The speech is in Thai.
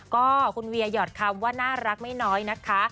ก็คุณเวียหยอดคำว่าน่ารักไม่น้อยนะคะ